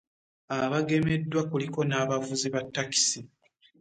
Abagemeddwa kuliko n'abavuzi ba ttakisi.